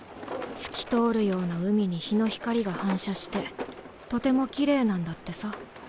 透き通るような海に日の光が反射してとてもキレイなんだってさ。